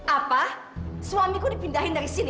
apa suamiku dipindahin dari sini